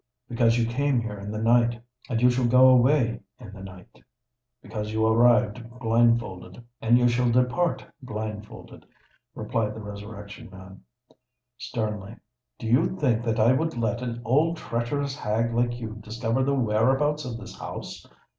"Because you came here in the night—and you shall go away in the night: because you arrived blindfolded—and you shall depart blindfolded," replied the Resurrection Man, sternly. "Do you think that I would let an old treacherous hag like you discover the whereabouts of this house?